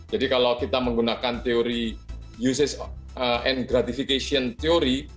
jadi kalau kita menggunakan teori usage and gratification teori